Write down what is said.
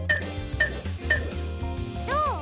どう？